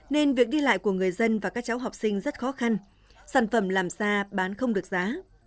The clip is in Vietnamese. nên việc đi lại của người dân và các cháu học sinh rất khó khăn sản phẩm làm ra bán không được giá